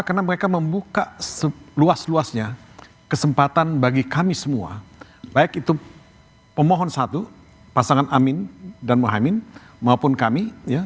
karena mereka membuka luas luasnya kesempatan bagi kami semua baik itu pemohon satu pasangan amin dan mohamad maupun kami ya